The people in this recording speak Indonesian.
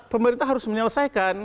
pemerintah harus menyelesaikan